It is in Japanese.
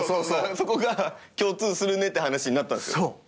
そこが共通するねって話になったんですよ。